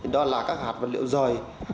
đó là các hạt vật liệu dòi